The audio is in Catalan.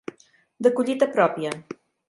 De collita pròpia.